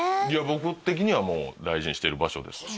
僕的には大事にしてる場所です